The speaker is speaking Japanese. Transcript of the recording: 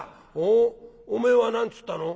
「おっおめえは何つったの？